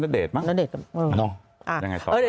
นาเดตกับอ่ายังไงค่ะ